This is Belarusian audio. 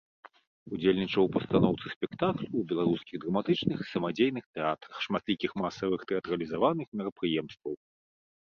Удзельнічаў у пастаноўцы спектакляў у беларускіх драматычных і самадзейных тэатрах, шматлікіх масавых тэатралізаваных мерапрыемстваў.